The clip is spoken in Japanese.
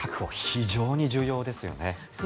非常に重要ですよね。